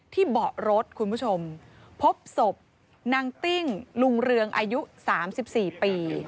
เบาะรถคุณผู้ชมพบศพนางติ้งลุงเรืองอายุ๓๔ปี